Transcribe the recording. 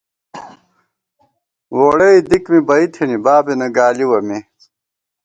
ووڑَئی دِک می بئ تھنی بابېنہ گالِوَہ مے